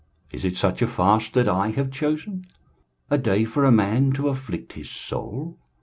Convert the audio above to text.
23:058:005 Is it such a fast that I have chosen? a day for a man to afflict his soul?